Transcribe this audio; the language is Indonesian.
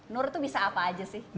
nur tuh bisa apa aja sih